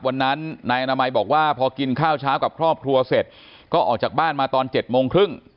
วันนั้นนายอนามัยบอกว่าพอกินข้าวเช้ากับครอบครัวเสร็จก็ออกจากบ้านมาตอน๗โมงครึ่ง